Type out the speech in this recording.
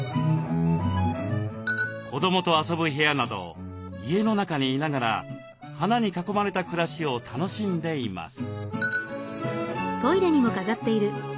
子どもと遊ぶ部屋など家の中に居ながら花に囲まれた暮らしを楽しんでいます。